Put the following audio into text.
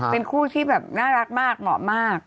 เป็นคู่ที่แบบน่ารักมากเหมาะมาก